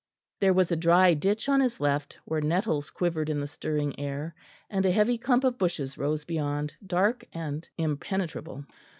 There was a dry ditch on his left, where nettles quivered in the stirring air; and a heavy clump of bushes rose beyond, dark and impenetrable.